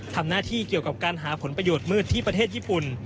ทำหน้าที่เกี่ยวกับการหาผลประโยชน์มืดที่ประเทศญี่ปุ่น